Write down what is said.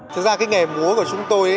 thực ra cái nghề múa của chúng tôi